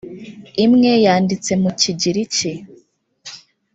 imwe yanditse mu kigiriki